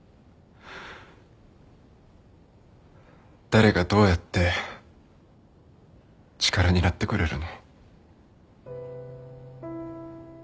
誰がどうやって力になってくれるの？